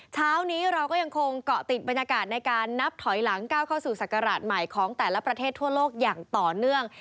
เช้านี้เราก็ยังคงเกาะติดบรรยากาศในการนับถอยหลังก้าวเข้าสู่ศักราชใหม่ของแต่ละประเทศทั่วโลกอย่างต่อเนื่อง